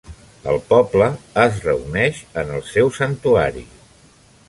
El poble es reuneix en el seu santuari.